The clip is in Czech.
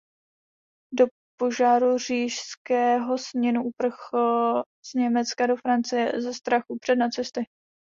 Po požáru Říšského sněmu uprchl z Německa do Francie ze strachu před nacisty.